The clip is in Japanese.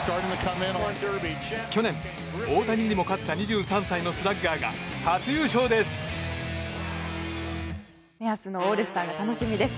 去年、大谷にも勝った２３歳のスラッガーが初優勝です。